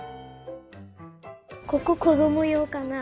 こここどもようかな？